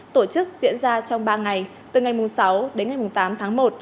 tổ chức diễn ra trong ba ngày từ ngày sáu đến ngày tám tháng một